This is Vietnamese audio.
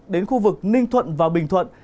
đến khu vực ninh thuận và bình thuận